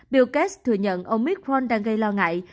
bill gates thừa nhận omicron đang gây lo ngại